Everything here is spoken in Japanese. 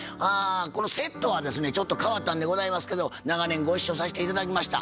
このセットはですねちょっと変わったんでございますけど長年ご一緒させて頂きました。